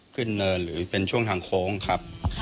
ขึ้นเนินหรือเป็นช่วงทางโคลค่ะ